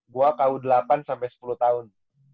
gua ku delapan sepuluh tahun